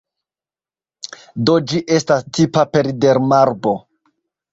Do ĝi estas tipa peridermarbo.